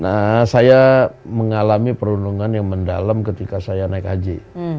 nah saya mengalami perundungan yang mendalam ketika saya naik haji